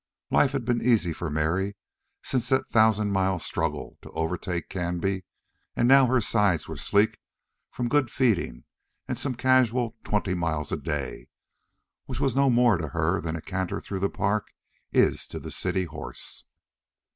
Life had been easy for Mary since that thousand mile struggle to overtake Canby, and now her sides were sleek from good feeding and some casual twenty miles a day, which was no more to her than a canter through the park is to the city horse.